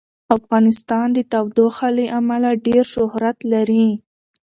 افغانستان د تودوخه له امله شهرت لري.